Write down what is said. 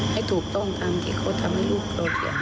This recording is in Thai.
ให้ถูกต้องตามที่เขาทำให้ลูกเรา